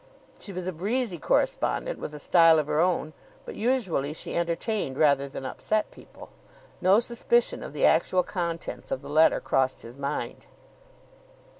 She was a breezy correspondent, with a style of her own, but usually she entertained rather than upset people. No suspicion of the actual contents of the letter crossed his mind.